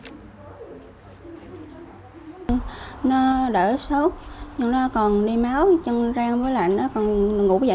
nó đỡ sốt nhưng nó còn đi máu chân răng với lạnh nó còn ngủ dậy